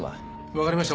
わかりました。